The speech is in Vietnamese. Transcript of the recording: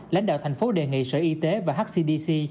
lãnh đạo thành phố đề nghị sở y tế và hcdc